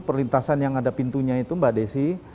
perlintasan yang ada pintunya itu mbak desi